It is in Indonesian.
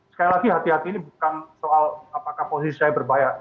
sekali lagi hati hati ini bukan soal apakah posisi saya berbahaya